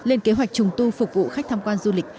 lên kế hoạch trùng tu phục vụ khách tham quan du lịch